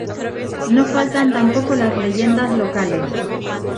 No faltan tampoco las leyendas locales.